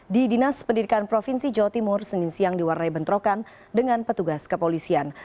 di dinas pendidikan provinsi jawa timur senin siang diwarnai bentrokan dengan petugas kepolisian